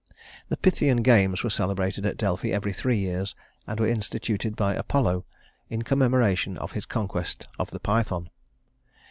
The Pythian Games were celebrated at Delphi every three years, and were instituted by Apollo in commemoration of his conquest of the Python.